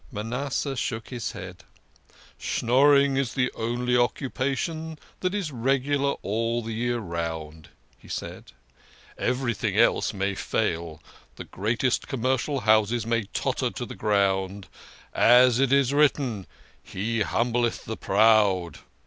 Manasseh shook his head. " Schnorring is the only occu pation that is regular all the year round," he said. " Every thing else may fail the greatest commercial houses may totter to the ground ; as it is written, He humbleth the proud.'